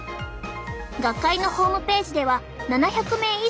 学会のホームページでは７００名以上の相談